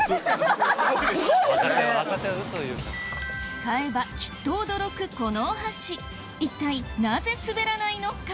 使えばきっと驚くこのお箸一体なぜ滑らないのか？